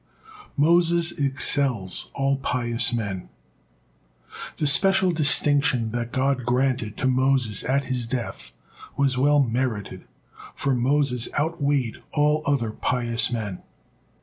MOSES EXCELS ALL PIOUS MEN The special distinction that God granted to Moses at his death was well merited, for Moses outweighed all other pious men.